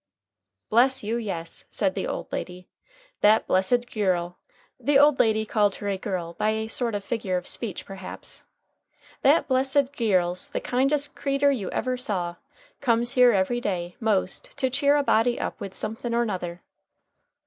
"Bless you, yes," said the old lady. "That blessed gyirl" the old lady called her a girl by a sort of figure of speech perhaps "that blessed gyirl's the kindest creetur you ever saw comes here every day, most, to cheer a body up with somethin' or nuther."